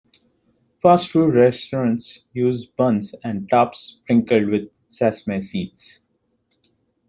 Fast-food restaurants use buns with tops sprinkled with sesame seeds.